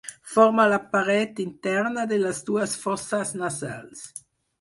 Forma la paret interna de les dues fosses nasals.